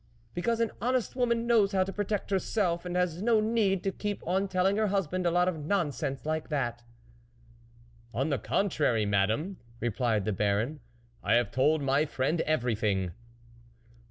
" Because an honest woman knows how THE WOLF LEADER to protect herself, and has no need to keep on telling her husband a lot of nonsense like that." " On the contrary, Madame," replied the Baron, " I have told my friend every thing."